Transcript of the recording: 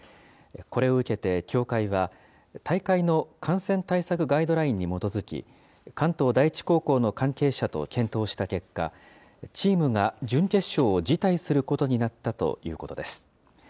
これを受けて協会は、大会の感染対策ガイドラインに基づき、関東第一高校の関係者と検討した結果、チームが準決勝を辞退することになったということです。